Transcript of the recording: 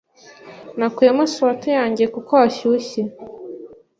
Nakuyemo swater yanjye kuko hashyushye.